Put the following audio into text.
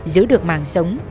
giữ được mạng sống